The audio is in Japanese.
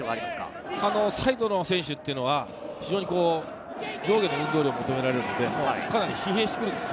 サイドの選手は非常に上下の運動量が求められるので疲弊してくるんですよ。